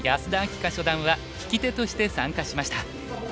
夏初段は聞き手として参加しました。